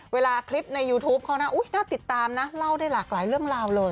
เวลาคลิปในยูทูปเขานะน่าติดตามนะเล่าได้หลากหลายเรื่องราวเลย